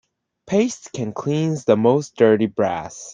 Paste can cleanse the most dirty brass.